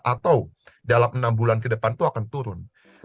atau dalam enam bulan ke depan itu akan turun